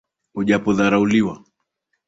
Ujapodharauliwa